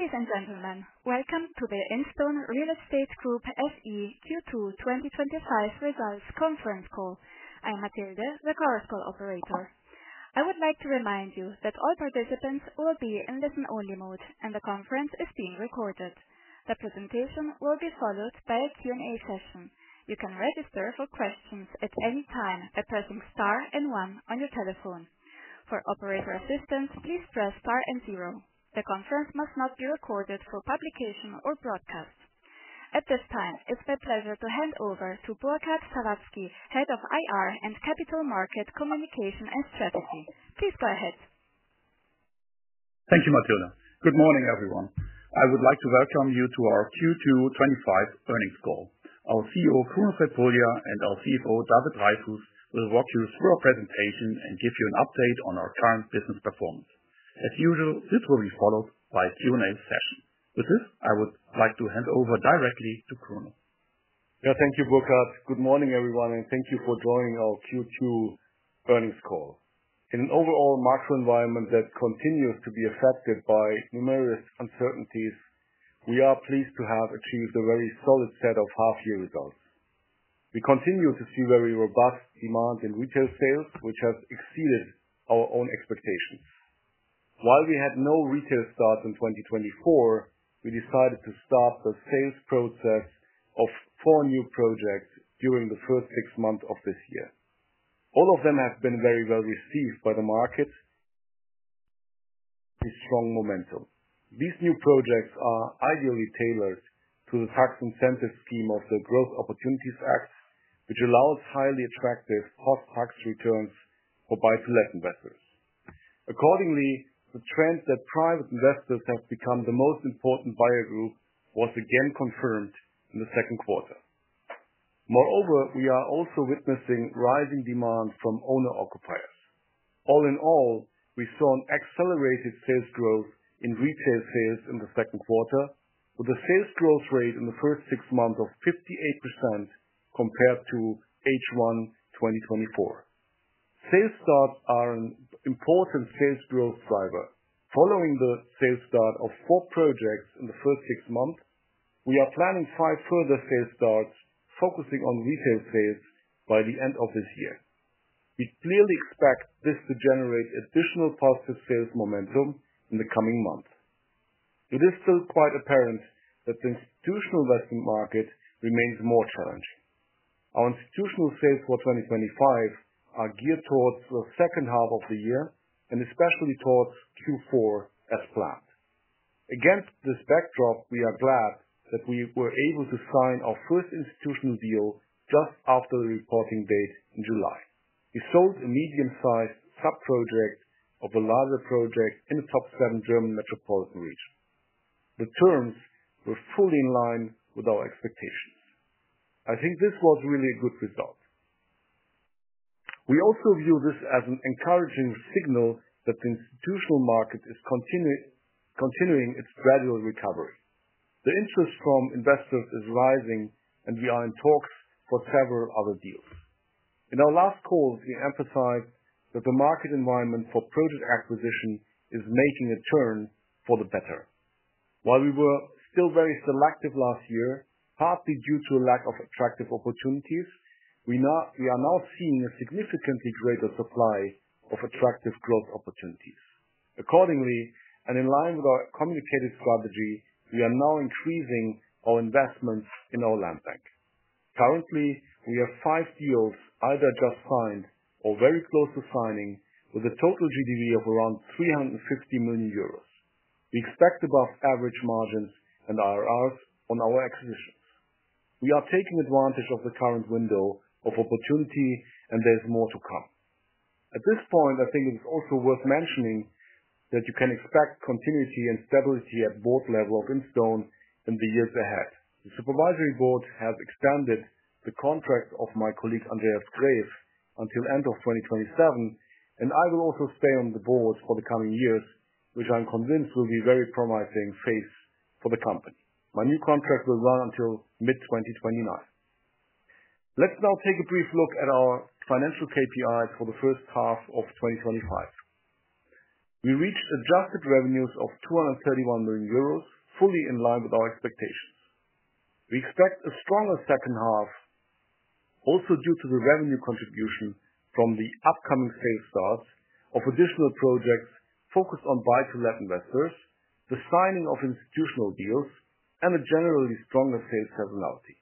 Please enter your name. Welcome to the Instone Real Estate Group SE Q2 2025 Results Conference Call. I'm Matilde, the call operator. I would like to remind you that all participants will be in listen-only mode, and the conference is being recorded. The presentation will be followed by a Q&A session. You can register for questions at any time by pressing star and one on your telephone. For operator assistance, please press star and zero. The conference must not be recorded for publication or broadcast. At this time, it's my pleasure to hand over to Burkhard Sawazki, Head of Investor Relations and Capital Market Communication and Strategy. Please go ahead. Thank you, Matilde. Good morning, everyone. I would like to welcome you to our Q2 2025 Earnings Call. Our CEO, Kruno Crepulja, and our CFO, David Dreyfus, will walk you through our presentation and give you an update on our current business performance. As usual, this will be followed by a Q&A session. With this, I would like to hand over directly to Kruno. Yeah, thank you, Burkhard. Good morning, everyone, and thank you for joining our Q2 Earnings Call. In an overall macro environment that continues to be affected by numerous uncertainties, we are pleased to have achieved a very solid set of half-year results. We continue to see very robust demand in retail sales, which has exceeded our own expectations. While we had no retail starts in 2024, we decided to start the sales process of four new projects during the first six months of this year. All of them have been very well received by the market, with strong momentum. These new projects are ideally tailored to the tax incentive scheme of the Growth Opportunities Act, which allows highly attractive cross-practice returns for buy-to-let investors. Accordingly, the trends that private investors have become the most important buyer group was again confirmed in the second quarter. Moreover, we are also witnessing rising demand from owner-occupiers. All in all, we saw an accelerated sales growth in retail sales in the second quarter, with a sales growth rate in the first six months of 58% compared to H1 2024. Sales starts are an important sales growth driver. Following the sales start of four projects in the first six months, we are planning five further sales starts, focusing on retail sales by the end of this year. We clearly expect this to generate additional positive sales momentum in the coming months. It is still quite apparent that the institutional investment market remains more challenging. Our institutional sales for 2025 are geared towards the second half of the year and especially towards Q4 as planned. Against this backdrop, we are glad that we were able to sign our first institutional deal just after the reporting date in July. We sold a medium-sized subproject of the larger projects in the top seven German metropolitan regions. The terms were fully in line with our expectations. I think this was really a good result. We also view this as an encouraging signal that the institutional market is continuing its gradual recovery. The interest from investors is rising, and we are in talks for several other deals. In our last calls, we emphasized that the market environment for project acquisition is making a turn for the better. While we were still very selective last year, partly due to a lack of attractive opportunities, we are now seeing a significantly greater supply of attractive growth opportunities. Accordingly, and in line with our communicated strategy, we are now increasing our investments in our land bank. Currently, we have five deals either just signed or very close to signing, with a total GDV of around 350 million euros. We expect above-average margins and IRRs on our acquisitions. We are taking advantage of the current window of opportunity, and there's more to come. At this point, I think it is also worth mentioning that you can expect continuity and stability at the board level of Instone in the years ahead. The Supervisory Board has extended the contract of my colleague, Andreas Graves, until the end of 2027, and I will also stay on the board for the coming years, which I'm convinced will be a very promising phase for the company. My new contract will run until mid-2029. Let's now take a brief look at our financial KPIs for the first half of 2025. We reached adjusted revenues of 231 million euros, fully in line with our expectations. We expect a stronger second half, also due to the revenue contribution from the upcoming sales starts of additional projects focused on buy-to-let investors, the signing of institutional deals, and a generally stronger sales seasonality.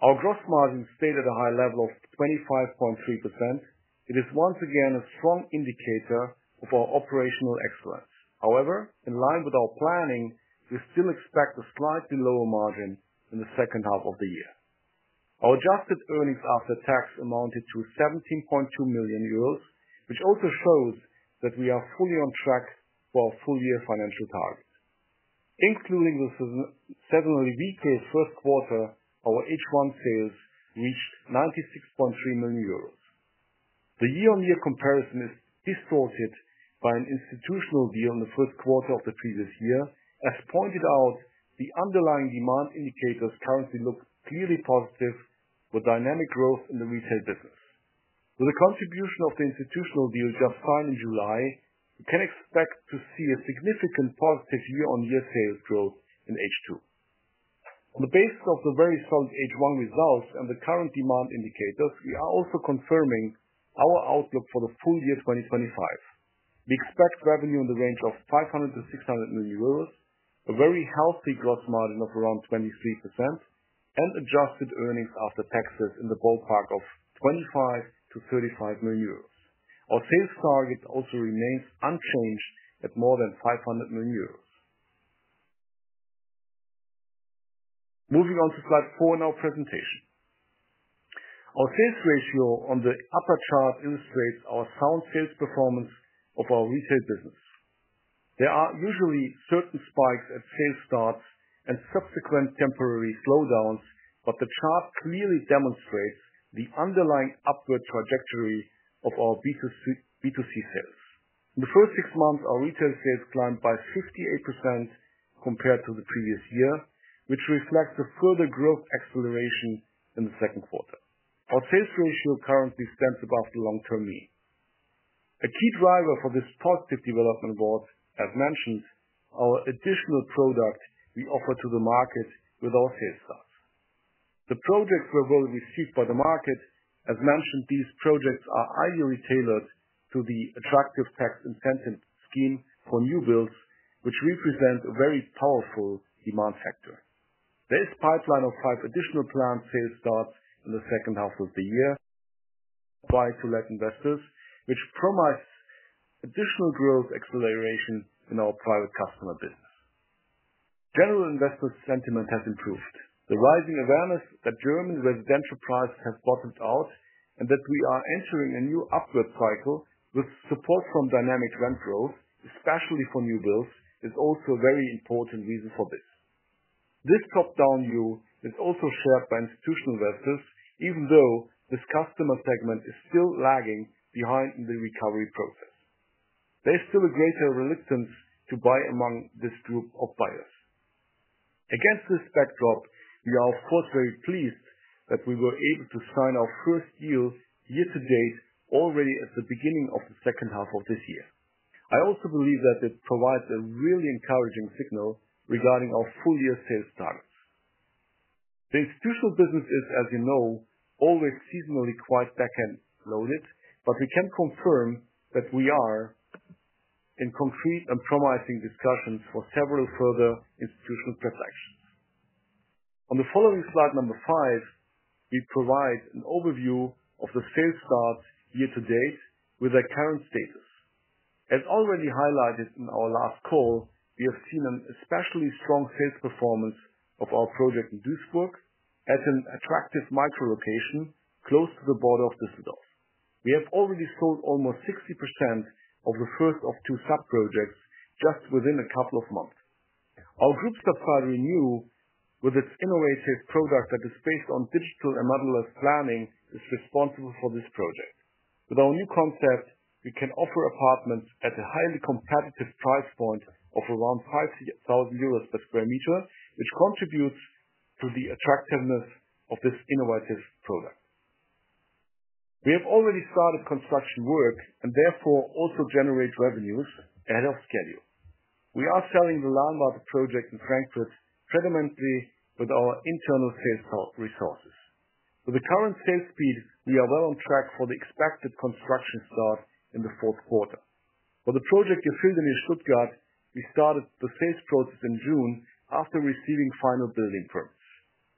Our gross margins stayed at a high level of 25.3%. It is once again a strong indicator of our operational excellence. However, in line with our planning, we still expect a slightly lower margin in the second half of the year. Our adjusted earnings after tax amounted to 17.2 million euros, which also shows that we are fully on track for our full-year financial target. Including the suddenly weakest first quarter, our H1 sales reached 96.3 million euros. The year-on-year comparison is distorted by an institutional deal in the first quarter of the previous year. As pointed out, the underlying demand indicators currently look clearly positive, with dynamic growth in the retail business. With the contribution of the institutional deal just signed in July, we can expect to see a significant positive year-on-year sales growth in H2. On the basis of the very solid H1 results and the current demand indicators, we are also confirming our outlook for the full year 2025. We expect revenue in the range of 500 million-600 million euros, a very healthy gross margin of around 23%, and adjusted earnings after taxes in the ballpark of 25 million-35 million euros. Our sales target also remains unchanged at more than 500 million euros. Moving on to slide four in our presentation. Our sales ratio on the upper chart illustrates our sound sales performance of our retail business. There are usually certain spikes at sales starts and subsequent temporary slowdowns, but the chart clearly demonstrates the underlying upward trajectory of our B2C sales. In the first six months, our retail sales climbed by 58% compared to the previous year, which reflects a further growth acceleration in the second quarter. Our sales ratio currently stands above the long-term mean. A key driver for this targeted development, as mentioned, are additional products we offer to the market with our sales starts. The projects were well received by the market. As mentioned, these projects are ideally tailored to the attractive tax incentive scheme for new builds, which represent a very powerful demand factor. This pipeline will require additional planned sales starts in the second half of the year by buy-to-let investors, which promises additional growth acceleration in our private customer business. General investor sentiment has improved. The rising awareness that German residential prices have bottomed out and that we are entering a new upward cycle with support from dynamic rent growth, especially for new builds, is also a very important reason for this. This top-down view is also heard by institutional investors, even though this customer segment is still lagging behind in the recovery process. There's still a greater reluctance to buy among this group of buyers. Against this backdrop, we are of course very pleased that we were able to sign our first deal year to date already at the beginning of the second half of this year. I also believe that it provides a really encouraging signal regarding our full-year sales targets. The institutional business is, as you know, always seasonally quite back-end loaded, but we can confirm that we are in complete and promising discussions for several further institutional transactions. On the following slide number five, we provide an overview of the sales starts year to date with our current status. As already highlighted in our last call, we have seen an especially strong sales performance of our project in Duisburg at an attractive micro-location close to the border of Düsseldorf. We have already sold almost 60% of the first of two subprojects just within a couple of months. Our digital side Renew, with its innovative product that is based on digital and motherless planning, is responsible for this project. With our new concept, we can offer apartments at a highly competitive price point of around 50,000 euros per sq m, which contributes to the attractiveness of this innovative product. We have already started construction work and therefore also generate revenues ahead of schedule. We are selling the Landwärter project in Frankfurt predominantly with our internal sales resources. With the current sales speeds, we are well on track for the expected construction start in the fourth quarter. For the project in Schlüggen in Stuttgart, we started the sales process in June after receiving final building permits.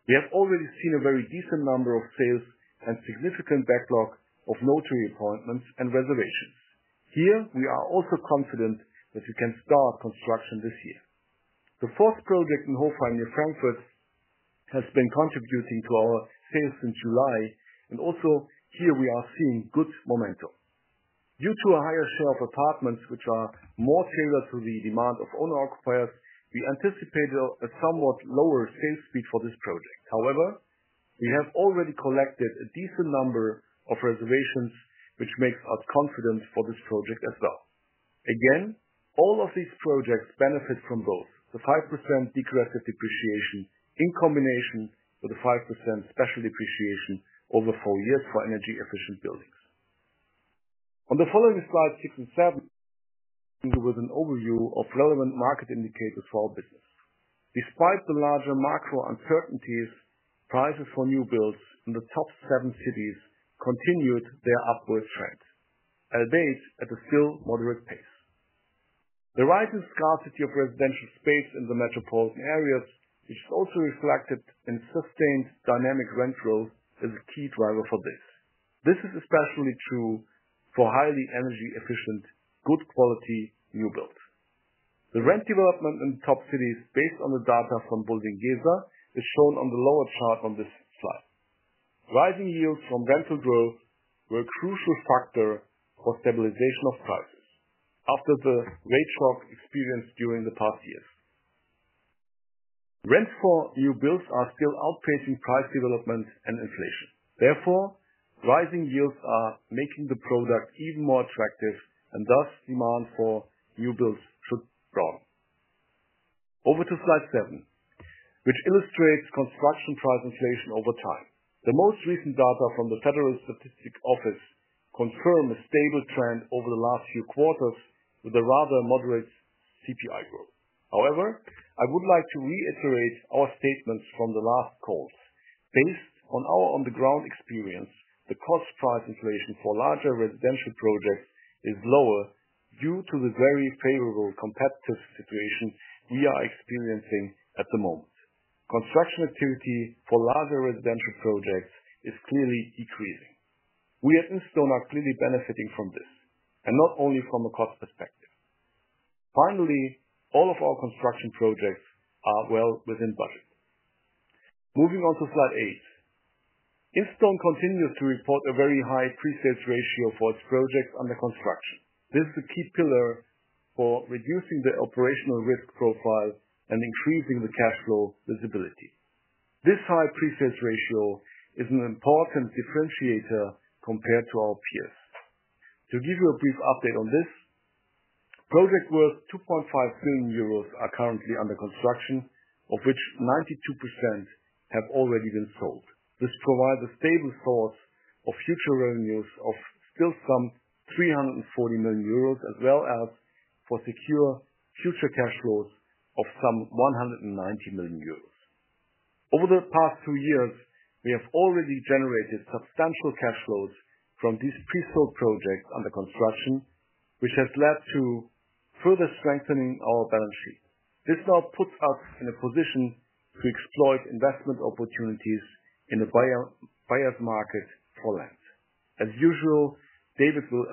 We have already seen a very decent number of sales and a significant backlog of notary appointments and reservations. Here, we are also confident that we can start construction this year. The fourth project in Hofheim near Frankfurt has been contributing to our sales since July, and also here we are seeing good momentum. Due to a higher share of apartments, which are more tailored to the demand of owner-occupiers, we anticipated a somewhat lower sales speed for this project. However, we have already collected a decent number of reservations, which makes us confident for this project as well. Again, all of these projects benefit from both the 5% decrease of depreciation in combination with the 5% special depreciation over four years for energy-efficient buildings. On the following slide six and seven, we go with an overview of relevant market indicators for our business. Despite the larger macro uncertainties, prices for new builds in the top seven cities continued their upward trend, and it is at a still moderate pace. The rising scarcity of residential space in the metropolitan areas, which is also reflected in sustained dynamic rent growth, is a key driver for this. This is especially true for highly energy-efficient, good-quality new builds. The rent development in the top cities, based on the data from Federal Statistics Office, is shown on the lower chart on this slide. Rising yields from rental growth were a crucial factor for stabilization of prices after the rate shock experienced during the past years. Rents for new builds are still outpacing price developments and inflation. Therefore, rising yields are making the product even more attractive, and thus demand for new builds should grow. Over to slide seven, which illustrates construction price inflation over time. The most recent data from the Federal Statistics Office confirms a stable trend over the last few quarters with a rather moderate CPI growth. However, I would like to reiterate our statements from the last calls. Based on our on-the-ground experience, the cost price inflation for larger residential projects is lower due to the very favorable competitive situation we are experiencing at the moment. Construction activity for larger residential projects is clearly decreasing. We at Instone are clearly benefiting from this, and not only from a cost perspective. Finally, all of our construction projects are well within budget. Moving on to slide eight, Instone continues to report a very high pre-sales ratio for its projects under construction. This is a key pillar for reducing the operational risk profile and increasing the cash flow visibility. This high pre-sales ratio is an important differentiator compared to our peers. To give you a brief update on this, projects worth 2.5 million euros are currently under construction, of which 92% have already been sold. This provides a stable source of future revenues of still some 340 million euros, as well as for secure future cash flows of some 190 million euros. Over the past two years, we have already generated substantial cash flows from these three four projects under construction, which has led to further strengthening our balance sheet. This now puts us in a position to exploit investment opportunities in the buyer's market for land. As usual, David will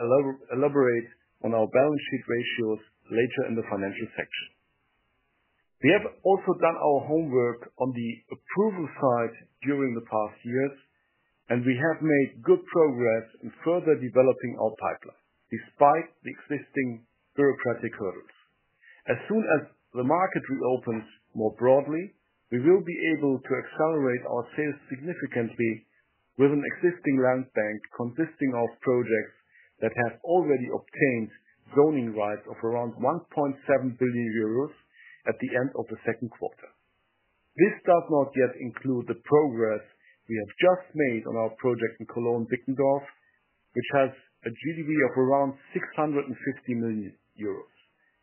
elaborate on our balance sheet ratios later in the financial section. We have also done our homework on the approval side during the past years, and we have made good progress in further developing our pipeline despite the existing bureaucratic hurdles. As soon as the market reopens more broadly, we will be able to accelerate our sales significantly with an existing land bank consisting of projects that have already obtained zoning rights of around 1.7 billion euros at the end of the second quarter. This does not yet include the progress we have just made on our project in Cologne-Bickendorf, which has a GDV of around 650 million euros.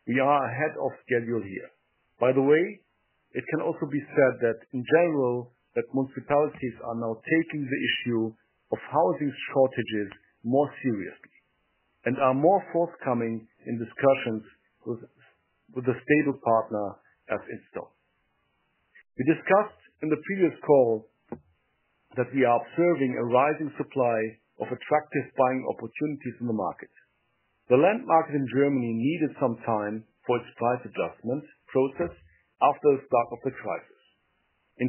We are ahead of schedule here. By the way, it can also be said that in general, that municipalities are now taking the issue of housing shortages more seriously and are more forthcoming in discussions with a stable partner as Instone. We discussed in the previous call that we are observing a rising supply of attractive buying opportunities in the market. The land market in Germany needed some time for its price adjustment process after the stock market crisis. In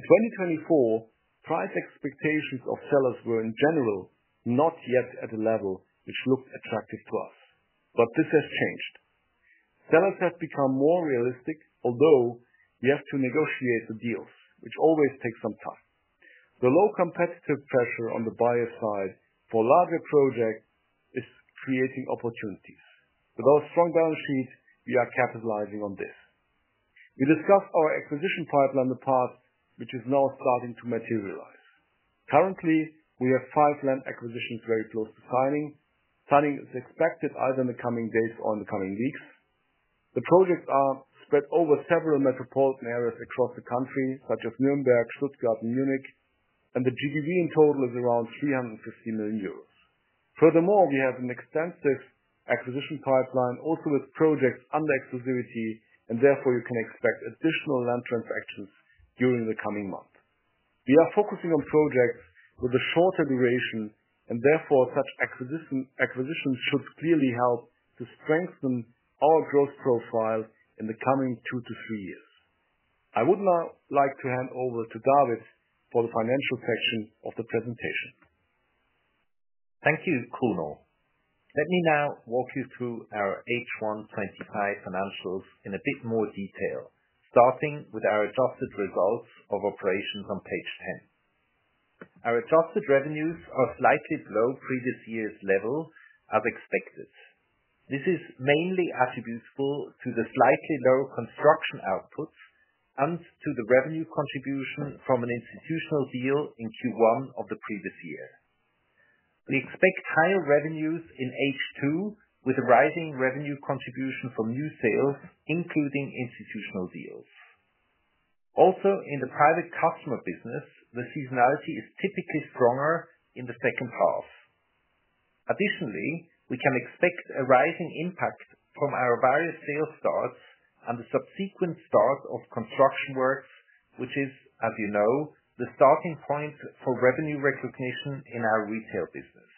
2024, price expectations of sellers were in general not yet at a level which looked attractive to us, but this has changed. Sellers have become more realistic, although we have to negotiate the deals, which always takes some time. The low competitive pressure on the buyer side for larger projects is creating opportunities. With our strong balance sheet, we are capitalizing on this. We discussed our acquisition pipeline in the past, which is now starting to materialize. Currently, we have five land acquisitions very close to signing. Signing is expected either in the coming days or in the coming weeks. The projects are spread over several metropolitan areas across the country, such as Nürnberg, Stuttgart, and Munich, and the GDV in total is around 350 million euros. Furthermore, we have an extensive acquisition pipeline also with projects under exclusivity, and therefore you can expect additional land transactions during the coming month. We are focusing on projects with a shorter duration, and therefore such acquisitions could clearly help to strengthen our growth profile in the coming two to three years. I would now like to hand over to David for the financial section of the presentation. Thank you, Kruno. Let me now walk you through our H1 2025 financials in a bit more detail, starting with our adjusted results of operations on page ten. Our adjusted revenues are slightly below previous year's level, as expected. This is mainly attributable to the slightly low construction output and to the revenue contribution from an institutional deal in Q1 of the previous year. We expect higher revenues in H2 with a rising revenue contribution from new sales, including institutional deals. Also, in the private customer business, the seasonality is typically stronger in the second half. Additionally, we can expect a rising impact from our various sales starts and the subsequent start of construction works, which is, as you know, the starting point for revenue recognition in our retail business.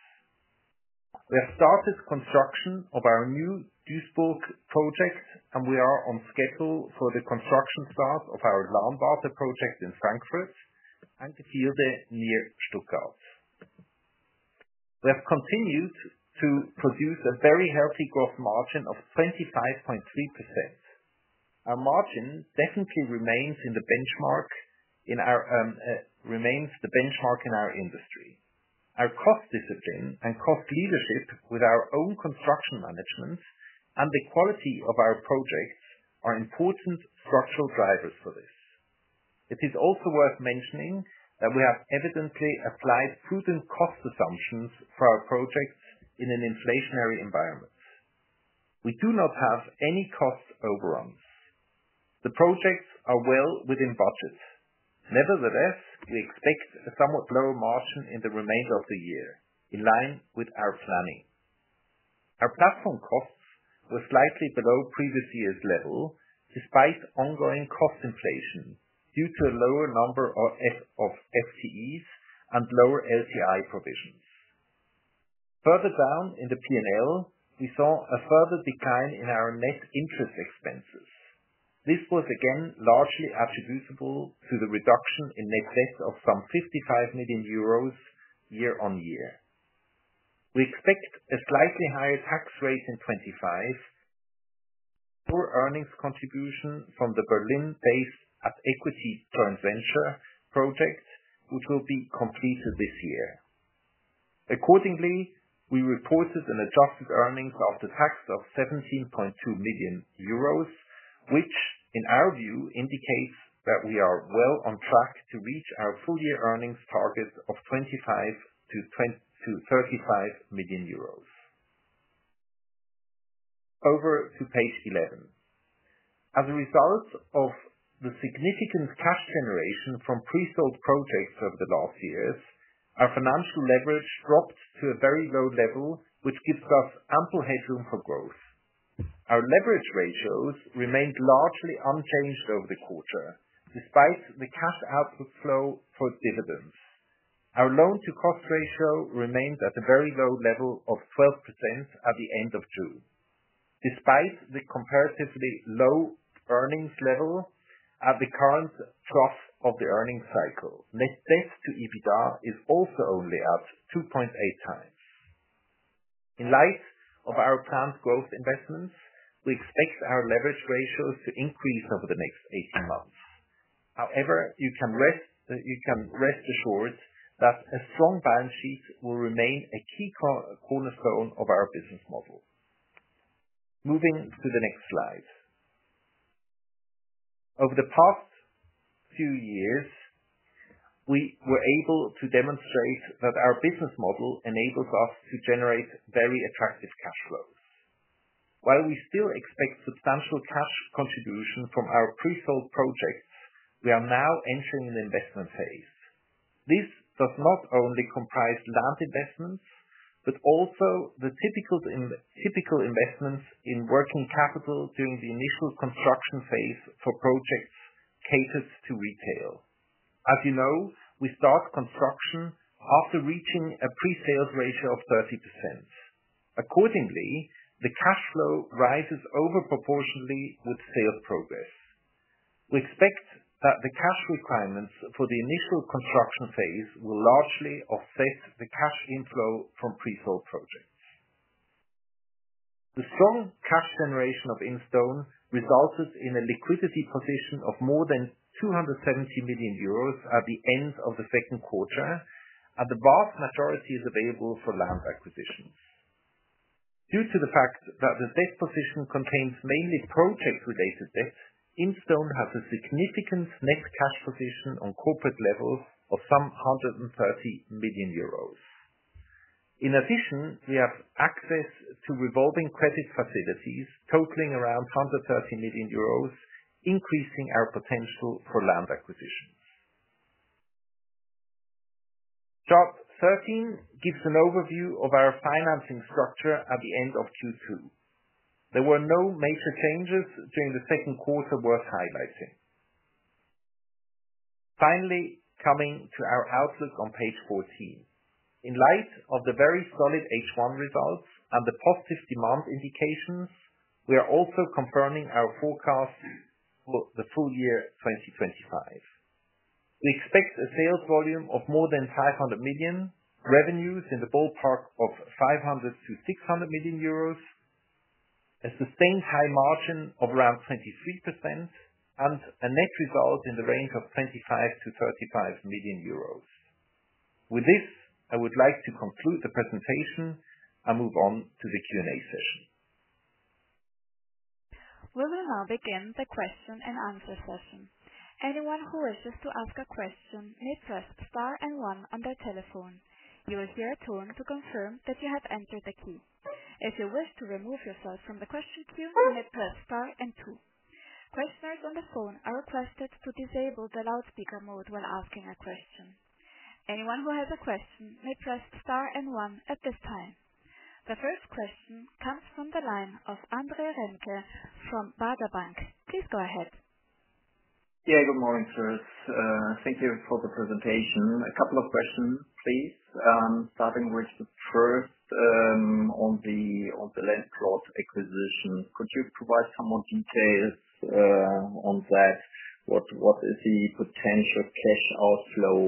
We have started construction of our new Duisburg project, and we are on schedule for the construction start of our Landwärter project in Frankfurt and Gefilde near Stuttgart. We have continued to produce a very healthy gross margin of 25.3%. Our margin definitely remains the benchmark in our industry. Our cost discipline and cost leadership with our own construction management and the quality of our projects are important structural drivers for this. It is also worth mentioning that we have evidently applied prudent cost assumptions for our projects in an inflationary environment. We do not have any cost overruns. The projects are well within budget. Nevertheless, we expect a somewhat lower margin in the remainder of the year in line with our planning. Our platform costs were slightly below previous year's level despite ongoing cost inflation due to a lower number of FTEs and lower LCI provisions. Further down in the P&L, we saw a further decline in our net interest expenses. This was again largely attributable to the reduction in net debt of some 55 million euros year-on-year. We expect a slightly higher tax rate in 2025 through earnings contribution from the Berlin-based Equities Joint Venture project, which will be completed this year. Accordingly, we reported an adjusted earnings after tax of 17.2 million euros, which in our view indicates that we are well on track to reach our full-year earnings targets of EUR 25 million-EUR35 million. Over to page 11. As a result of the significant cash generation from pre-sold projects over the last years, our financial leverage dropped to a very low level, which gives us ample headroom for growth. Our leverage ratios remained largely unchanged over the quarter, despite the cash outflow for dividends. Our loan-to-cost ratio remained at a very low level of 12% at the end of June, despite the comparatively low earnings level at the current cross of the earnings cycle. Net debt to EBITDA is also only at 2.8x. In light of our planned growth investments, we expect our leverage ratios to increase over the next 18 months. However, you can rest assured that a strong balance sheet will remain a key cornerstone of our business model. Moving to the next slide. Over the past few years, we were able to demonstrate that our business model enables us to generate very attractive cash flows. While we still expect substantial cash contribution from our pre-sold projects, we are now entering the investment phase. This does not only comprise land investments, but also the typical investments in working capital during the initial construction phase for projects catered to retail. As you know, we start construction after reaching a pre-sales ratio of 30%. Accordingly, the cash flow rises over proportionately with sales progress. We expect that the cash requirements for the initial construction phase will largely offset the cash inflow from pre-sold projects. The strong cash generation of Instone resulted in a liquidity position of more than 270 million euros at the end of the second quarter, and the vast majority is available for land acquisitions. Due to the fact that the debt position contains mainly project-related debt, Instone has a significant net cash position on corporate level of some 130 million euros. In addition, we have access to revolving credit facilities totaling around 130 million euros, increasing our potential for land acquisitions. Chart 13 gives an overview of our financing structure at the end of Q2. There were no major changes during the second quarter worth highlighting. Finally, coming to our outlook on page 14. In light of the very solid H1 results and the positive demand indications, we are also confirming our forecast for the full year 2025. We expect a sales volume of more than 500 million, revenues in the ballpark of 500-600 million euros, a sustained high margin of around 23%, and a net result in the range of 25-35 million euros. With this, I would like to conclude the presentation and move on to the Q&A session. We will now begin the question and answer session. Anyone who wishes to ask a question may press star and one on their telephone. You have your turn to confirm that you have entered the queue. If you wish to remove yourself from the question queue, you may press star and two. Participants on the call are requested to disable the loudspeaker mode while asking a question. Anyone who has a question may press star and one at this time. The first question comes from the line of Andrei Ronke from Baader Bank. Please go ahead. Yeah, good morning, sir. Thank you for the presentation. A couple of questions, please. I'm starting with the first, on the land plot acquisition. Could you provide some more details on that? What is the potential set outflow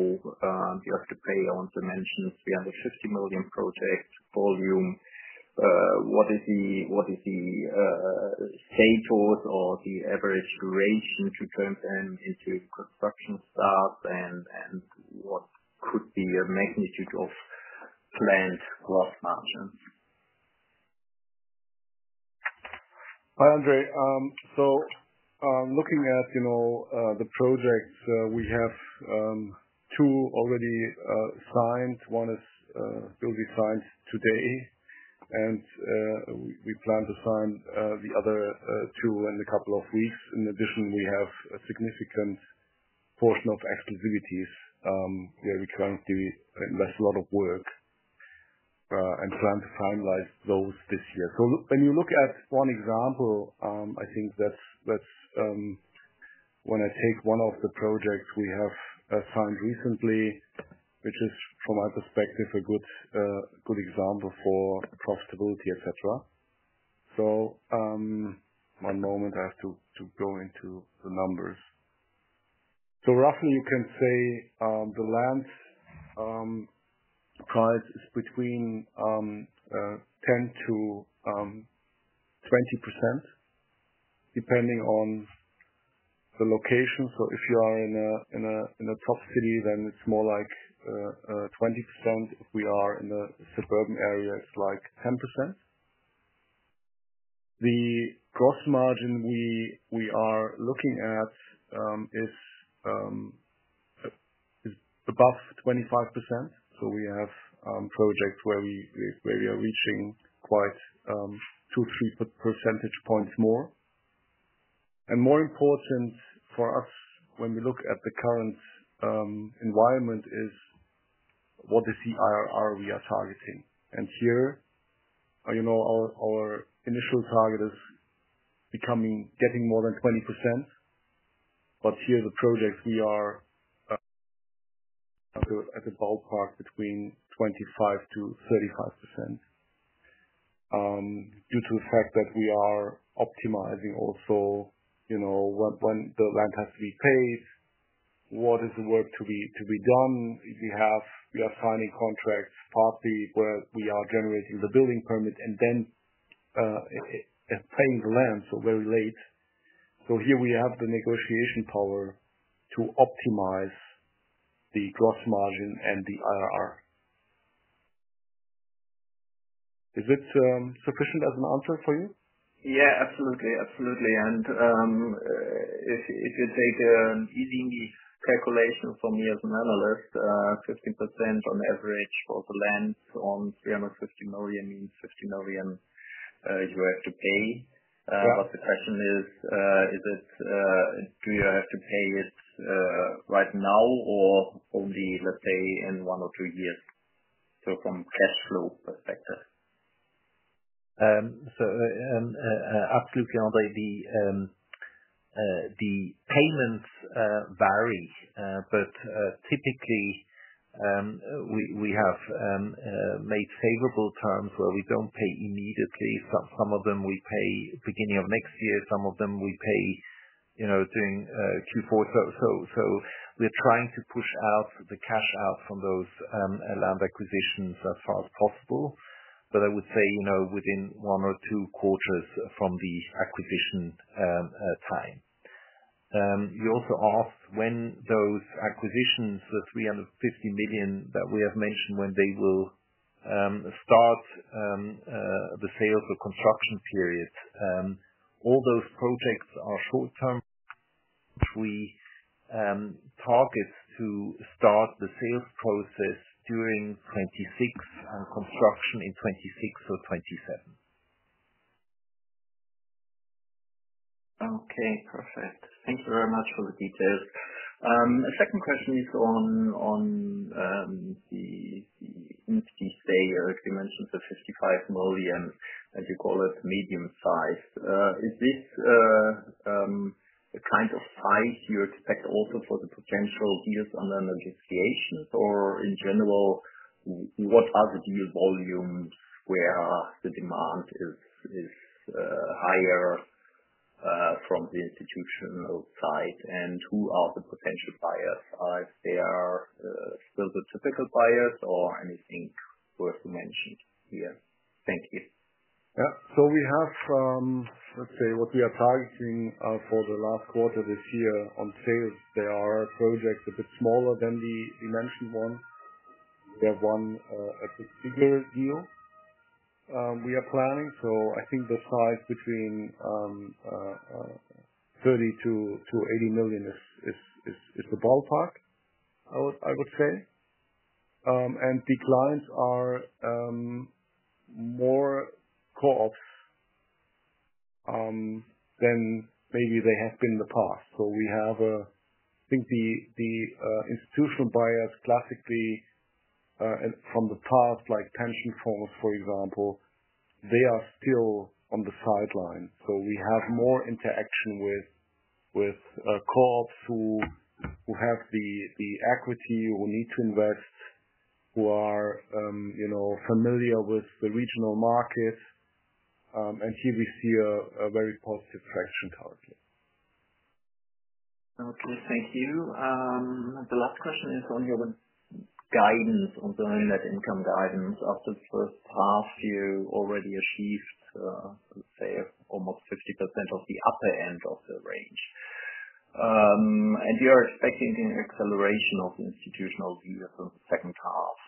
you have to pay on? You mentioned 350 million project volume. What is the stage or the average duration to turn them into construction start, and what would be the magnitude of planned gross margins? Hi, Andrei. Looking at the projects, we have two already signed. One is building signed today, and we plan to sign the other two in a couple of weeks. In addition, we have a significant portion of exclusivities where we currently invest a lot of work and plan to finalize those this year. When you look at one example, I think that's when I take one of the projects we have signed recently, which is, from my perspective, a good example for the profitability, etc. One moment, I have to go into the numbers. Roughly, you can say the land price is between 10%-20% depending on the location. If you are in a top city, then it's more like 20%. If we are in a suburban area, it's like 10%. The gross margin we are looking at is above 25%. We have projects where we are reaching quite two or three percentage points more. More important for us when we look at the current environment is what is the IRR we are targeting. Our initial target is getting more than 20%, but here the projects we are at the ballpark between 25%-35% due to the fact that we are optimizing also when the land has to be paid, what is the work to be done. We are signing contracts partly where we are generating the building permit and then paying the land, so very late. Here we have the negotiation power to optimize the gross margin and the IRR. Is it sufficient as an answer for you? Yeah, absolutely. If you take an easy speculation for me as an analyst, 15% on average for the land on 350 million means 50 million you have to pay. The question is, do you have to pay it right now or only, let's say, in one or two years? From a cash flow perspective, absolutely, Andrei, the payments vary. Typically, we have made favorable terms where we don't pay immediately. Some of them we pay at the beginning of next year. Some of them we pay during Q4. We're trying to push out the cash out from those land acquisitions as fast as possible. I would say within one or two quarters from the acquisition time. You also asked when those acquisitions, the 350 million that we have mentioned, when they will start the sales or construction period. All those projects are full-term free, targets to start the sales process during 2026 and construction in 2026 or 2027. Okay. Perfect. Thank you very much for the details. The second question is on the stay or dimensions of 55 million, and you call it a medium size. Is this a kind of size you expect also for the potential deals under negotiations? Or in general, what are the deal volumes where the demand is higher from the institutional side? Who are the potential buyers? Are they still the typical buyers or anything worth to mention here? Thank you. Yeah. We have, let's say, what we are targeting for the last quarter of this year on sales. There are projects a bit smaller than the mentioned one. They have one, a bit bigger deal we are planning. I think the size between 30 million to 80 million is the ballpark, I would say. The clients are more co-ops than maybe they have been in the past. We have, I think, the institutional buyers classically, and from the past, like Pantry Falls, for example, they are still on the sideline. We have more interaction with co-ops who have the equity, who need to invest, who are, you know, familiar with the regional markets. Here we see a very positive cash flow currently. Thank you. The last question is on your guidance on doing net income guidance after the first half. You already achieved, say, almost 50% of the upper end of the range, and you are expecting an acceleration of institutional views in the second half.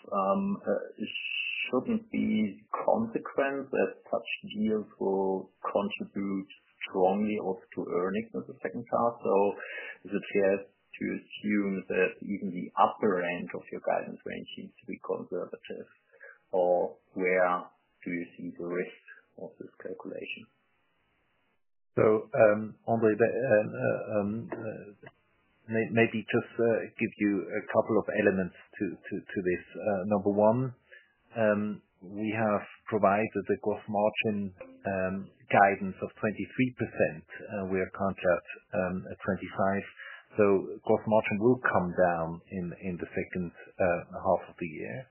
It couldn't be a consequence as customers will contribute strongly also to earnings in the second half. Is it fair to assume that even the upper end of your guidance range seems to be conservative? Where do you see the risk of this calculation? Andrei, maybe just give you a couple of elements to this. Number one, we have provided the gross margin guidance of 23%. We are currently at 25%, so gross margin will come down in the second half of the year.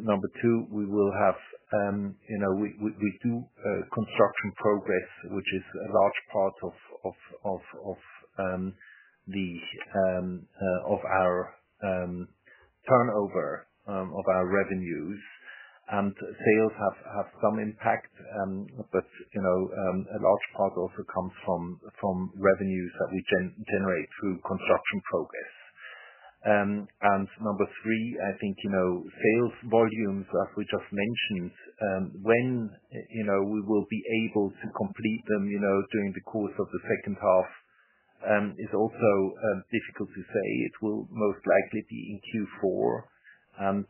Number two, we will have, you know, we do construction progress, which is a large part of the turnover, of our revenues. Sales have some impact, but a large part also comes from revenues that we generate through construction progress. Number three, I think sales volumes, as we just mentioned, when we will be able to complete them during the course of the second half, is also difficult to say. It will most likely be in Q4, and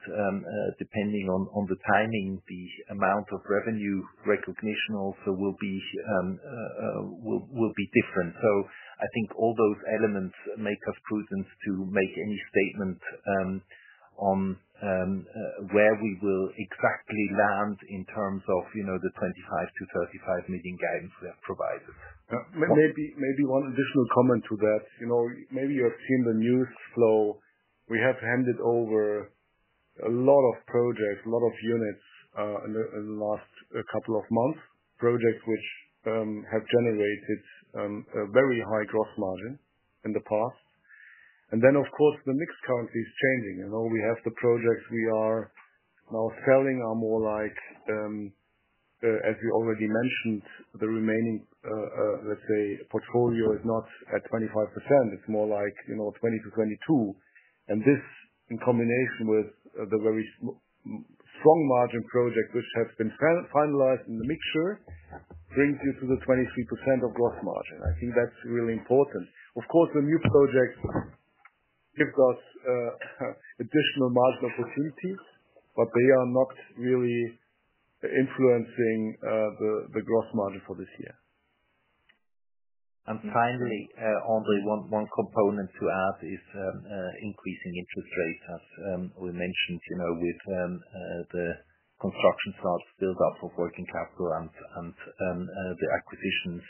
depending on the timing, the amount of revenue recognition also will be different. I think all those elements make us prudent to make any statement on where we will exactly land in terms of the 25 million-EUR35 million guidance we have provided. Maybe one additional comment to that. You know, maybe you have seen the news flow. We have handed over a lot of projects, a lot of units, in the last couple of months, projects which have generated a very high gross margin in the past. Of course, the mix currently is changing. The projects we are now selling are more like, as we already mentioned, the remaining, let's say, portfolio is not at 25%. It's more like 20%-22%. This, in combination with the very strong margin project which has been finalized in the mixture, brings you to the 23% of gross margin. I think that's really important. Of course, the new projects give us additional margin opportunity, but they are not really influencing the gross margin for this year. Finally, Andrei, one component to add is increasing interest rates, as we mentioned, with the construction starts, build-up of working capital, and the acquisitions.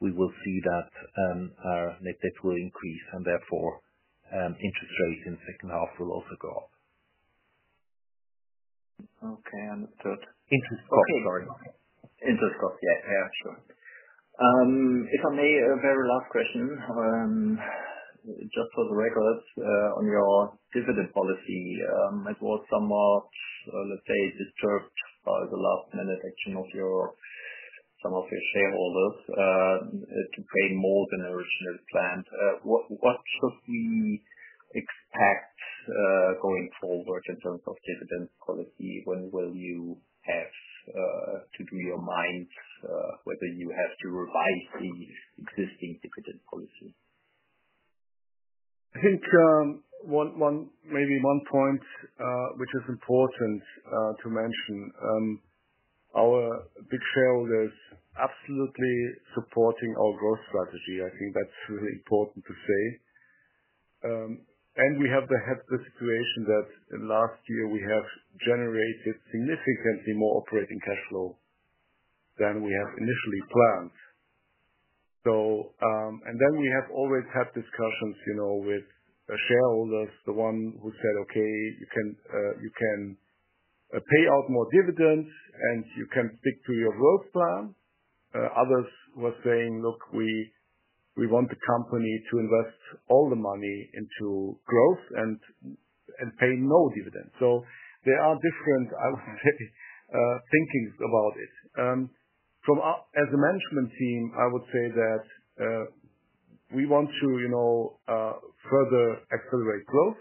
We will see that our net debt will increase, and therefore, interest rates in the second half will also go up. Okay. Understood. Interest cost, sorry. Interest cost, yeah. Yeah, sure. If I may, a very last question, just for the records, on your dividend policy. I brought some more, let's say, just for the last minute action of some of your shareholders, to pay more than originally planned. What could be expected, going forward in terms of dividend quality? When will you have to do your mind whether you have to revise the existing dividend policy? I think one point which is important to mention, our big shareholders are absolutely supporting our growth strategy. I think that's really important to say. We have had the situation that in the last year, we have generated significantly more operating cash flow than we have initially planned. We have always had discussions with shareholders, the one who said, "Okay, you can pay out more dividends and you can stick to your growth plan." Others were saying, "Look, we want the company to invest all the money into growth and pay no dividends." There are different, I would say, thinkings about it. As a management team, I would say that we want to further accelerate growth.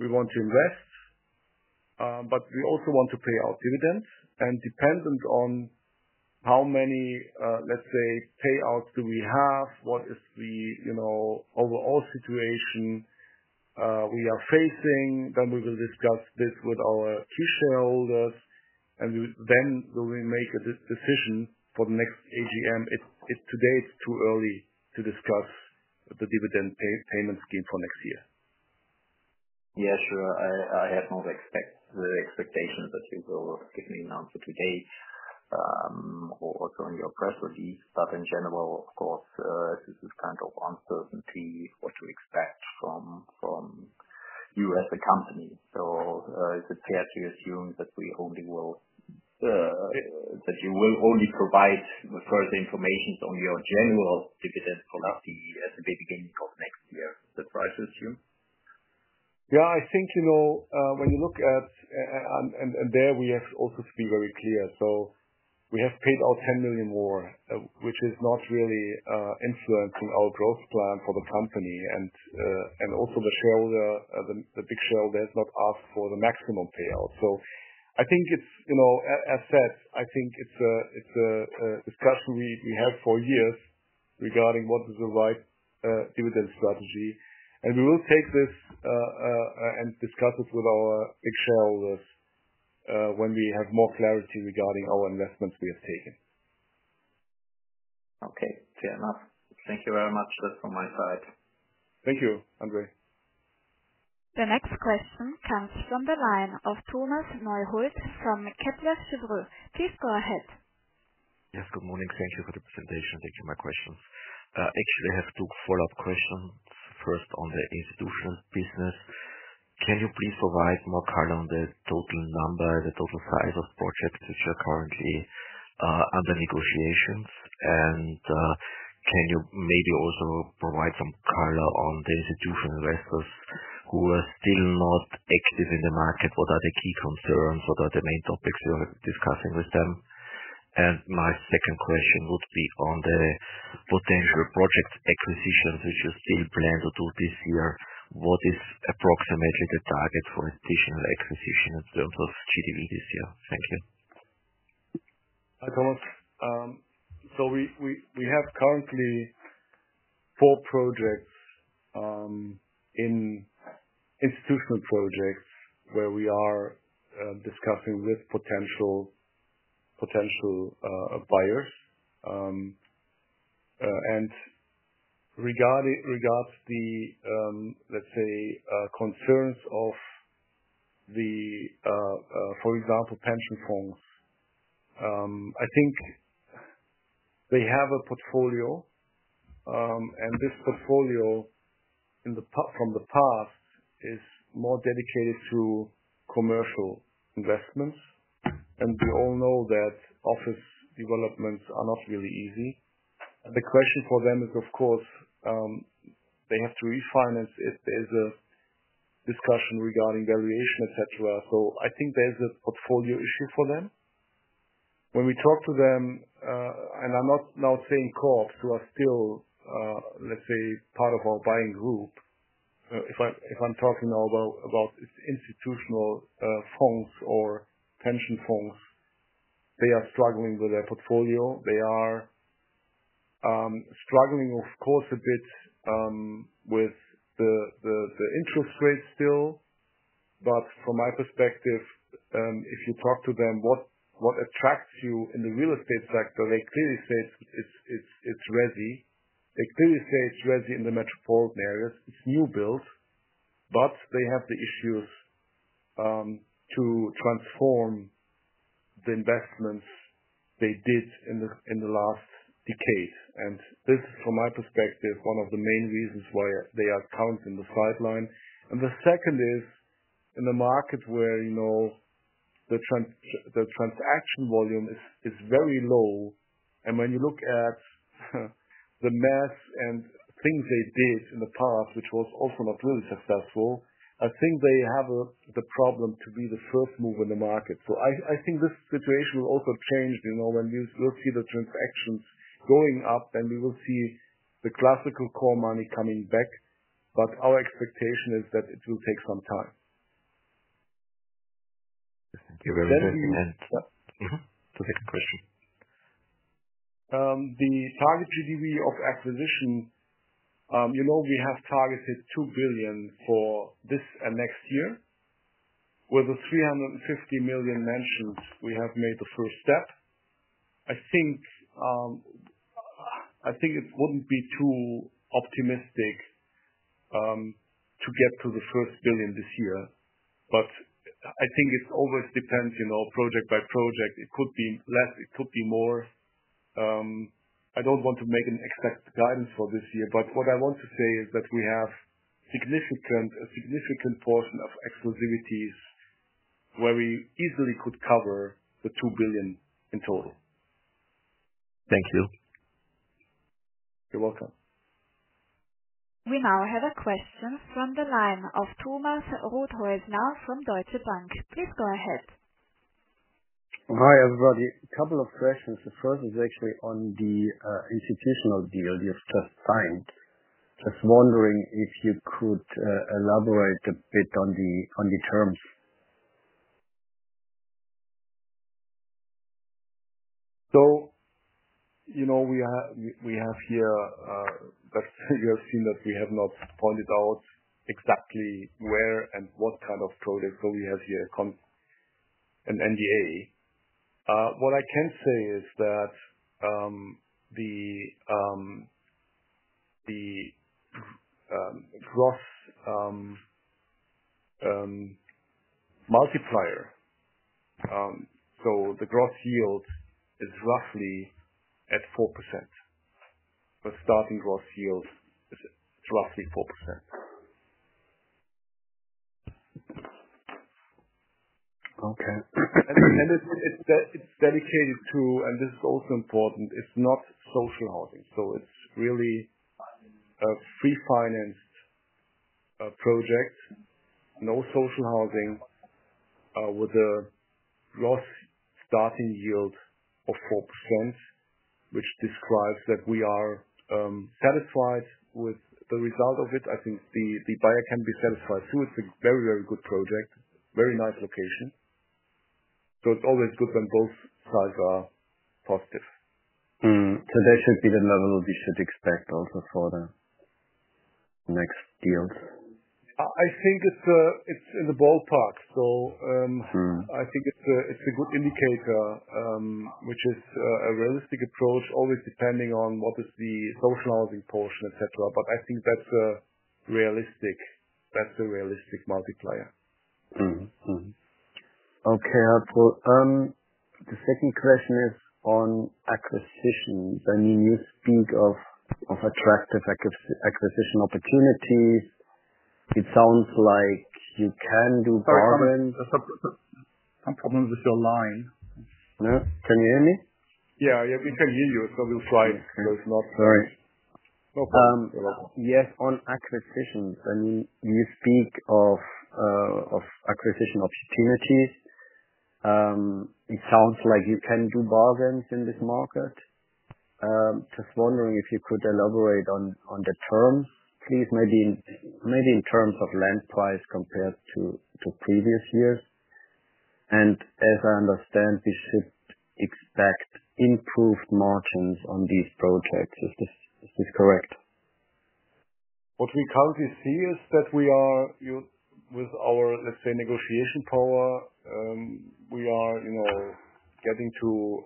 We want to invest, but we also want to pay out dividends. Dependent on how many, let's say, payouts do we have, what is the overall situation we are facing, we will discuss this with our key shareholders. We will make a decision for the next AGM. If today it's too early to discuss the dividend payment scheme for next year. Yeah, sure. I have no expectations that you will give me an answer today or during your press release. In general, of course, this is kind of uncertainty versus that from you as a company. Is it fair to assume that you will only provide further information on your general dividend policy at the beginning of next year? That's what I assume? Yeah, I think, you know, when you look at, we have also to be very clear. We have paid out 10 million more, which is not really influencing our growth plan for the company. Also, the shareholder, the big shareholder has not asked for the maximum payout. I think it's, you know, as said, I think it's a discussion we have for years regarding what is the right dividend strategy. We will take this and discuss it with our big shareholders when we have more clarity regarding our investments we have taken. Okay. Fair enough. Thank you very much for this from my side. Thank you, Andrei. The next question comes from the line of. Please go ahead. Yes, good morning. Thank you for the presentation. Thank you for taking my question. I have two follow-up questions. First, on the institutional business, can you please provide more color on the total number, the total size of projects which are currently under negotiations? Can you maybe also provide some color on the institutional investors who are still not active in the market? What are the key concerns? What are the main topics we're discussing with them? My second question would be on the potential project acquisitions which are still planned until this year. What is approximately the target for institutional acquisition in terms of GDV this year? Thank you. Hi, both. We have currently four projects, in institutional projects where we are discussing with a potential buyer. In regards to the, let's say, concerns of the, for example, pension funds, I think they have a portfolio. This portfolio from the past is more dedicated to commercial investment. We all know that office developments are not really easy. The question for them is, of course, they have to refinance if there is a discussion regarding variation, etc. I think there is a portfolio issue for them. When we talk to them, and I'm not now saying co-ops who are still, let's say, part of our buying group, if I'm talking now about institutional funds or pension funds, they are struggling with their portfolio. They are struggling, of course, a bit with the interest rates still. From my perspective, if you talk to them, what attracts you in the real estate sector, they clearly say it's resi. They clearly say it's resi in the metropolitan areas. It's new build. They have the issues to transform the investments they did in the last decade. This, from my perspective, is one of the main reasons why they are currently on the sideline. The second is in the market where the transaction volume is very low. When you look at the mess and things they did in the past, which was also not really successful, I think they have the problem to be the first move in the market. I think this situation will also change. When we will see the transactions going up, then we will see the classical core money coming back. Our expectation is that it will take some time. Thank you very much. The next question. The target GDV of acquisition, you know, we have targeted 2 billion for this and next year. With the 350 million mentioned, we have made the first step. I think it wouldn't be too optimistic to get to the first 1 billion this year. I think it always depends, you know, project by project. It could be less, it could be more. I don't want to make an exact guidance for this year, but what I want to say is that we have a significant portion of exclusivities where we easily could cover the 2 billion in total. Thank you. You're welcome. We now have a question from the line of Thomas Rothwaldner from Deutsche Bank. Please go ahead. Hi, everybody. A couple of questions. The first is actually on the institutional deal for funds. I was wondering if you could elaborate a bit on the terms. You have seen that we have not pointed out exactly where and what kind of project. We have here an NDA. What I can say is that the gross multiplier, so the gross yield, is roughly at 4%. The starting gross yield is roughly 4%. Okay. It is dedicated to, and this is also important, it's not social housing. It's really a free finance project, no social housing, with a last starting yield of 4%, which describes that we are satisfied with the result of it. I think the buyer can be satisfied too. It's a very, very good project, very nice location. It's always good when both sides are positive. Mm-hmm. That should be the level we should expect also for the next deals. I think it's in the ballpark. I think it's a good indicator, which is a realistic approach, always depending on what is the social housing portion, etc. I think that's a realistic, that's the realistic multiplier. Okay, helpful. The second question is on acquisitions. I mean, you speak of attractive acquisition opportunities. It sounds like you can do both. Sorry, some problems with your line. Can you hear me? Yeah, we can hear you. It's a little slight. It's not. All right. No problem. Yes, on acquisitions. You speak of acquisition opportunities. It sounds like you can do bargains in this market. Just wondering if you could elaborate on the term, please, maybe in terms of land price compared to the previous year. As I understand, we should expect improved margins on these projects. Is this correct? What we currently see is that we are, you know, with our, let's say, negotiation power, we are getting to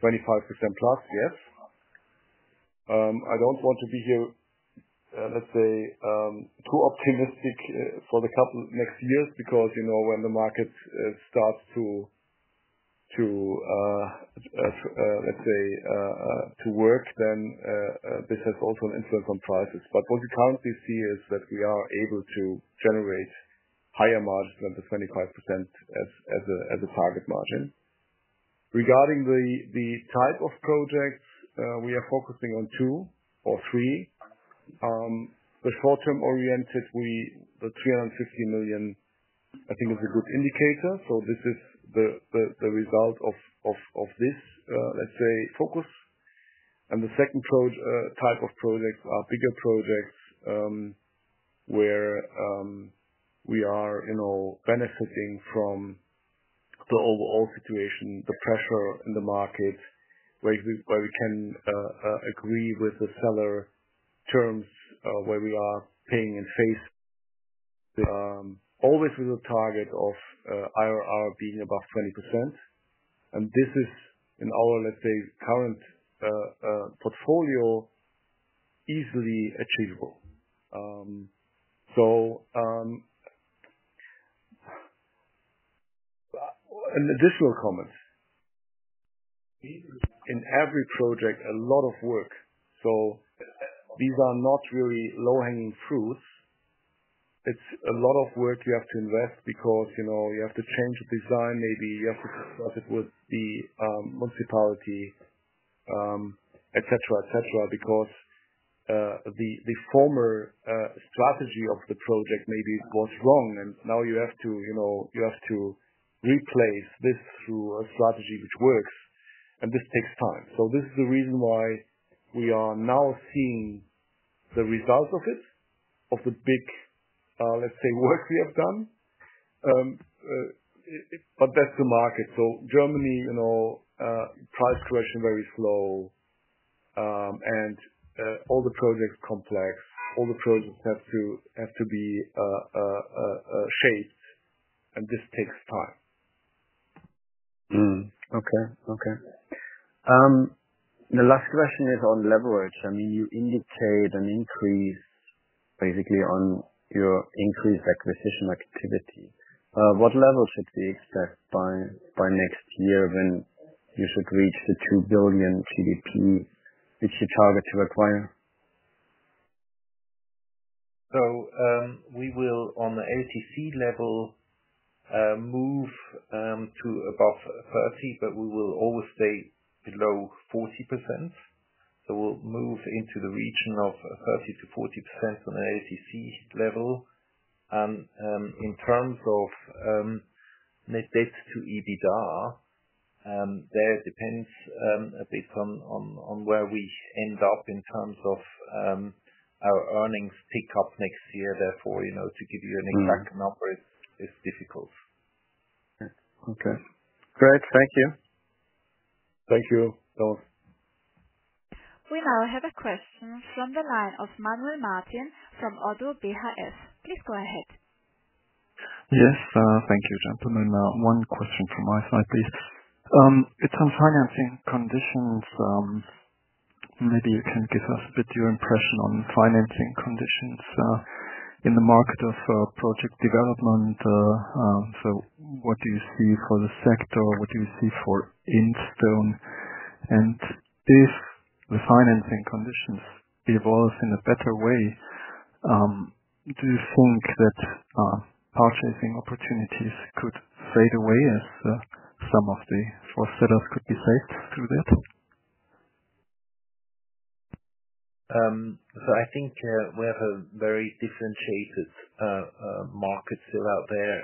25% plus, yes. I don't want to be here, let's say, too optimistic for the next year because, you know, when the market starts to, let's say, to work, this has also an influence on prices. What we currently see is that we are able to generate higher margins than the 25% as a target margin. Regarding the type of projects, we are focusing on two or three. The short-term oriented, the 350 million, I think is a good indicator. This is the result of this, let's say, focus. The second type of projects are bigger projects, where we are benefiting from the overall situation, the pressure in the market, where we can agree with the seller terms, where we are paying and face the. Always with a target of IRR being above 20%. This is in our, let's say, current portfolio easily achievable. An additional comment. In every project, a lot of work. These are not really low-hanging fruits. It's a lot of work you have to invest because, you know, you have to change the design. Maybe you have to discuss it with the municipality, etc., etc., because the former strategy of the project maybe was wrong. Now you have to replace this through a strategy which works. This takes time. This is the reason why we are now seeing the result of it, of the big, let's say, work we have done. That's the market. Germany, you know, price correction very slow, and all the projects are complex. All the projects have to be shaped. This takes time. Okay. The last question is on leverage. I mean, you indicated an increase basically on your increased acquisition activity. What level should be assessed by next year when you should reach the 2 billion GDV that you target to acquire? We will, on the ATC level, move to above 30%, but we will always stay below 40%. We'll move into the region of 30% to 40% on the ATC level. In terms of net debt to EBITDA, that depends a bit on where we end up in terms of our earnings pick up next year. Therefore, to give you an exact number is difficult. Okay. Great. Thank you. Thank you, Thomas. We now have a question from the line of Manuel Martin from Oddo BHF. Please go ahead. Yes, thank you. Good afternoon. One question from my side, please. It's on financing conditions. Maybe you can give us a bit of your impression on financing conditions in the market of project development. What do you see for the sector? What do you see for Instone? If the financing conditions evolve in a better way, do you think that purchasing opportunities could fade away as some of the sellers could be faced through this? I think we have a very differentiated market still out there.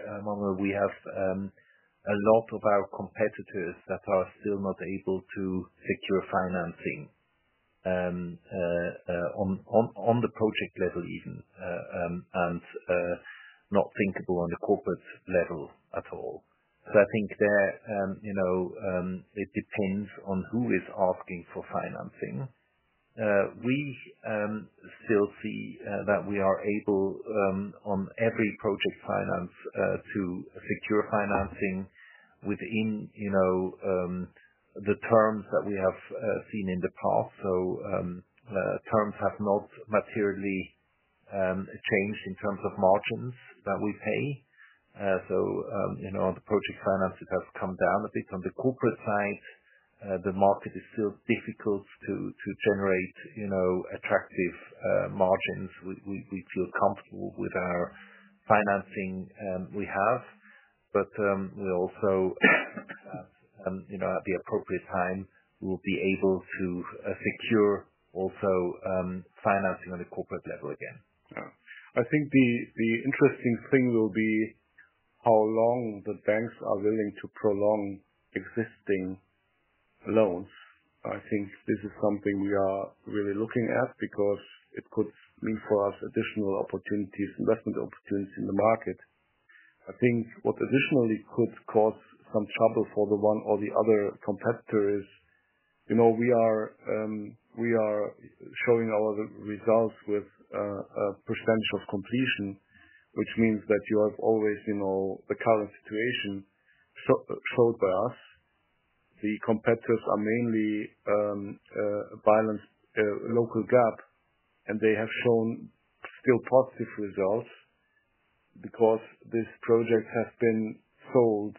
We have a lot of our competitors that are still not able to secure financing on the project level even, and not thinkable on the corporate level at all. I think there, you know, it depends on who is asking for financing. We still see that we are able, on every project finance, to secure financing within the terms that we have seen in the past. Terms have not materially changed in terms of margins that we pay. On the project finance, it has come down a bit on the corporate side. The market is still difficult to generate attractive margins. We feel comfortable with our financing we have. We also, at the appropriate time, will be able to secure also financing on the corporate level again. Yeah. I think the interesting thing will be how long the banks are willing to prolong existing loan. I think this is something we are really looking at because it could mean for us additional opportunities, investment opportunities in the market. I think what additionally could cause some trouble for the one or the other competitor is, you know, we are showing our results with a percentage of completion, which means that you have always, you know, the current situation shown by us. The competitors are mainly a balanced, local GAAP. They have shown still positive results because this project has been sold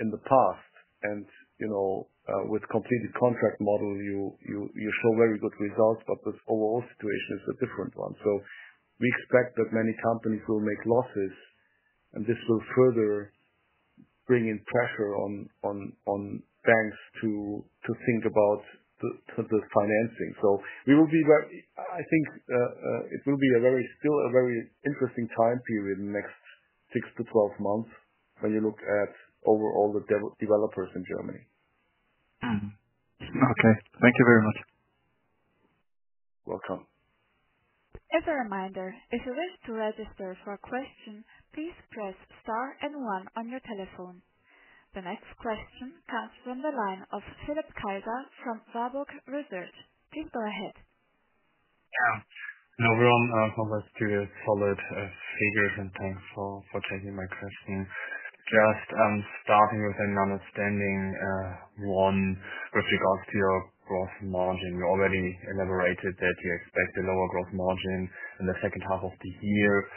in the past. You know, with a completed contract model, you show very good results, but the overall situation is a different one. We expect that many companies will make losses, and this will further bring in pressure on banks to think about the financing. We will be very, I think, it will be a very, still a very interesting time period in the next 6-12 months when you look at overall the developers in Germany. Okay, thank you very much. Welcome. As a reminder, if you wish to register for questions, please press star and one on your telephone. The next question comes from the line of Philip Kaiser from Warburg Research. Please go ahead. No, we're on progress to follow up a few different points. Thank you for taking my questions. Starting with an understanding, one with regards to your gross margin. You already elaborated that you expect a lower gross margin in the second half of the year,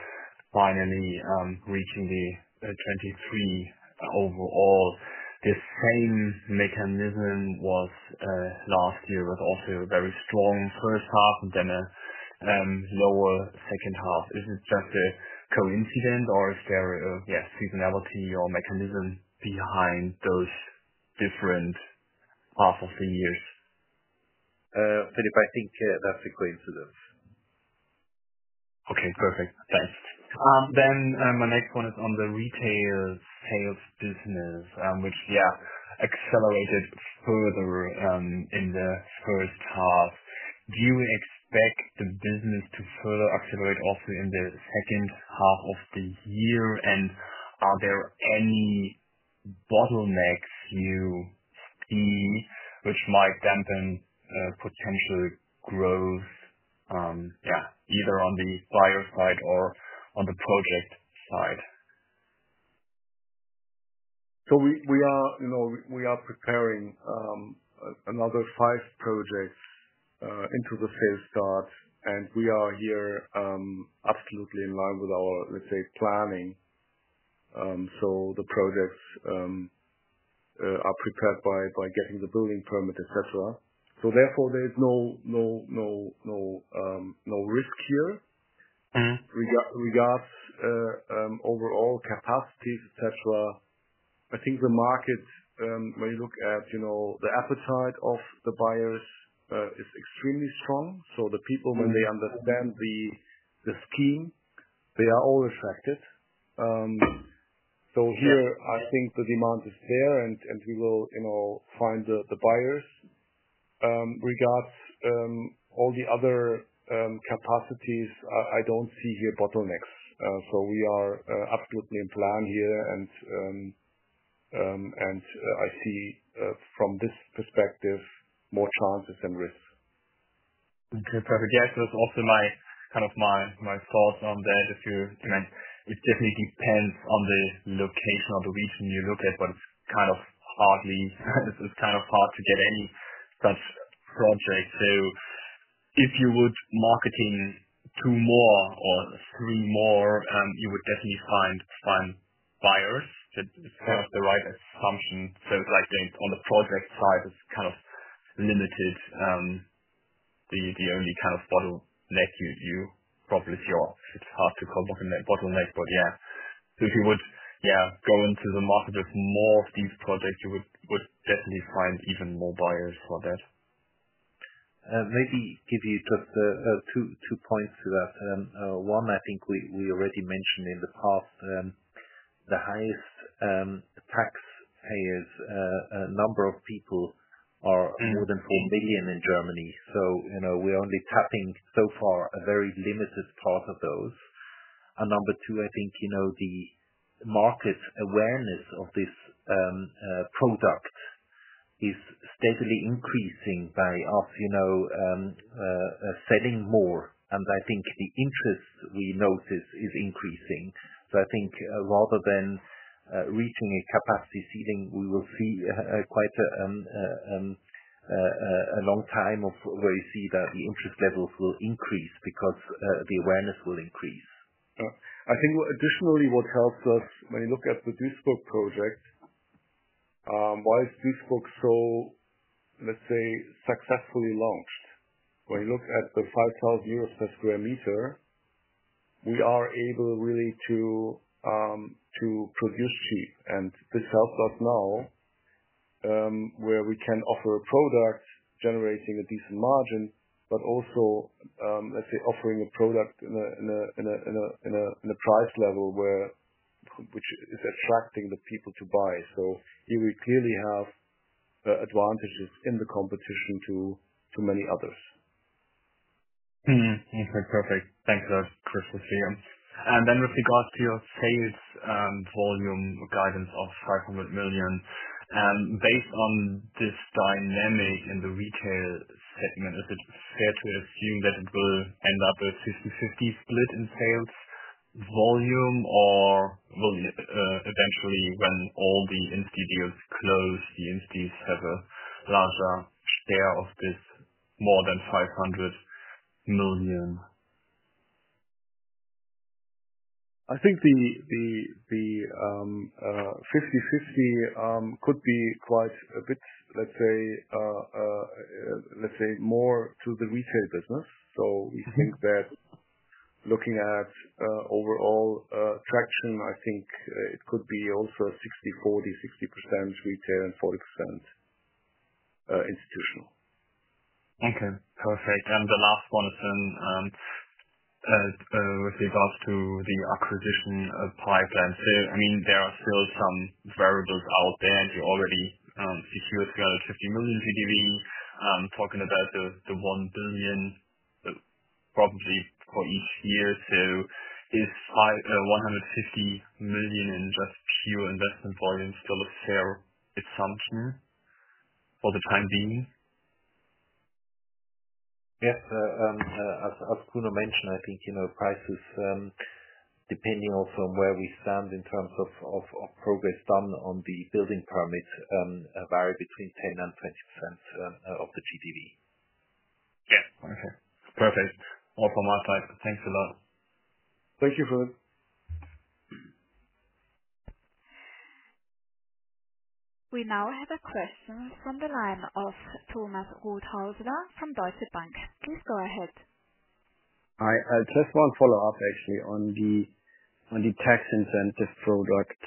finally reaching the 23% overall. The same mechanism was last year with also a very strong first half and then a lower second half. Is it just a coincidence or is there seasonality or mechanism behind those different half of the years? Philip, I think that's a coincidence. Okay. Perfect. Thanks. My next point is on the retail sales business, which accelerated further in the first half. Do you expect the business to further accelerate also in the second half of the year? Are there any bottlenecks you see which might dampen potential growth, either on the seller side or on the project side? We are preparing another five projects into the sales start, and we are absolutely in line with our planning. The projects are prepared by getting the building permit, etc. Therefore, there's no risk here. Regarding overall capacities, I think the market, when you look at the appetite of the buyers, is extremely strong. The people, when they understand the scheme, are all attracted. I think the demand is there, and we will find the buyers. Regarding all the other capacities, I don't see bottlenecks. We are absolutely in plan here, and I see from this perspective more chances than risks. Okay. Perfect. Yeah, it was also my kind of my thoughts on that. If you're and it definitely depends on the location or the region you look at, but it's kind of hard to get any such projects. If you would market in two more or three more, you would definitely find buyers. That is kind of the right assumption. On the project side, it is kind of limited. The only kind of bottleneck you probably feel, it's hard to call bottleneck. If you would go into the market with more of these projects, you would definitely find even more buyers for that. Maybe give you just two points to that. One, I think we already mentioned in the past, the highest taxpayers, a number of people are more than 4 million in Germany. You know, we're only tapping so far a very limited part of those. Number two, I think the market awareness of this product is steadily increasing by us selling more. I think the interest we notice is increasing. Rather than reaching a capacity ceiling, we will see quite a long time where you see that the interest levels will increase because the awareness will increase. Yeah. I think what additionally helps us when you look at the Duisburg project, why is Duisburg so, let's say, successfully launched? When you look at the 5,000 euros per sq m, we are able really to produce cheap. This helps us now, where we can offer a product generating a decent margin, but also offering a product in a price level which is attracting the people to buy. Here we clearly have advantages in the competition to many others. Okay. Perfect. Thanks. With regards to your sales volume guidance of 500 million, based on this dynamic in the retail setting, is it fair to assume that it will end up with a 50/50 split in sales volume? Or will you eventually, when all the entities have a larger share of this, more than 500 million? I think the 50/50 could be quite a bit, let's say, more to the retail business. We think that looking at overall traction, it could be also a 60/40, 60% retail and 40% institutional. Okay. Perfect. The last one is with regards to the acquisition of Pipeline. There are still some variables out there, and we already secured the 50 million GDV. I'm talking about the 1 billion, probably for each year. Is 150 million in just pure investment volume still a fair assumption for the time being? Yes. As Kruno mentioned, I think, you know, prices, depending on from where we stand in terms of progress done on the building permit, vary between 10% and 20% of the GDV. Yeah. Okay. Perfect. All from my side. Thanks a lot. Thank you for it. We now have a question from the line of Thomas Rothwaldner from Deutsche Bank. Please go ahead. Hi. Just one follow-up, actually, on the tax incentive product.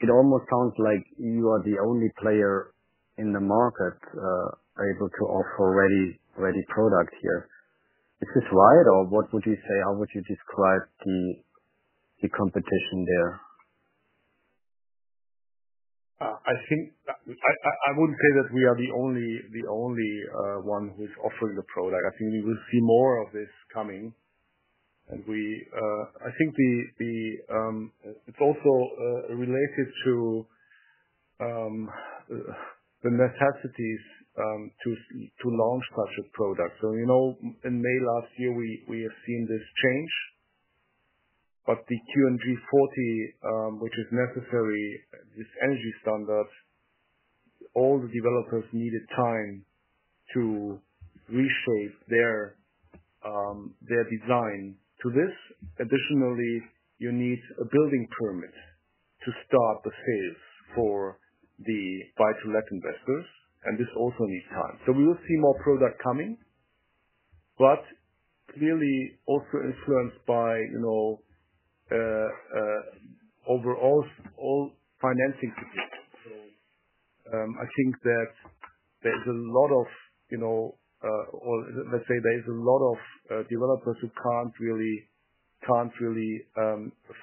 It almost sounds like you are the only player in the market, able to offer ready products here. Is this right, or what would you say? How would you describe the competition there? I wouldn't say that we are the only one who's offering the product. I think we will see more of this coming. It's also related to the necessity to launch such a product. In May last year, we have seen this change. The Q&G 40, which is necessary, this energy standard, all the developers needed time to reshape their design to this. Additionally, you need a building permit to start the sales for the buy-to-let investors. This also needs time. We will see more product coming, clearly also influenced by overall financing conditions. I think that there is a lot of developers who can't really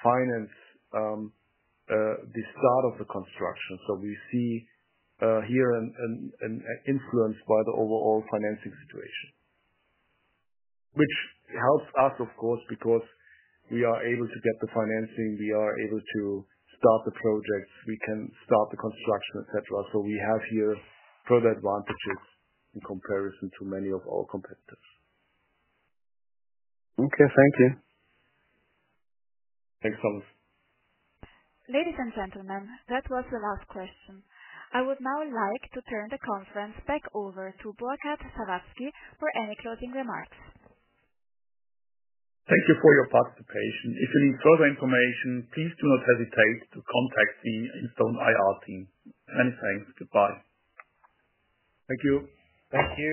finance the start of the construction. We see here an influence by the overall financing situation, which helps us, of course, because we are able to get the financing. We are able to start the projects. We can start the construction, etc. We have here further advantages in comparison to many of our competitors. Okay, thank you. Thanks, Thomas. Ladies and gentlemen, that was the last question. I would now like to turn the conference back over to Burkhard Sawazki for any closing remarks. Thank you for your participation. If you need further information, please do not hesitate to contact the Instone IR team. Many thanks. Goodbye. Thank you. Thank you.